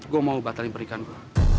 gue mau batalin pernikahan gue